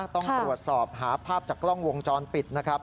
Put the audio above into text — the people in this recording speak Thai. ต้องตรวจสอบหาภาพจากกล้องวงจรปิดนะครับ